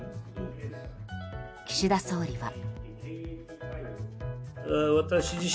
岸田総理は。